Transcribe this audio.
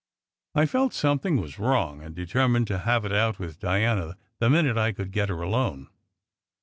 I felt something was wrong, and determined to have it out with Diana the minute I could get her alone.